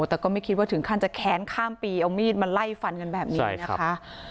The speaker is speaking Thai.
แต่ก็ไม่คิดว่าถึงขั้นจะแค้นข้ามปีเอามีดมาไล่ฟันกันแบบนี้นะคะ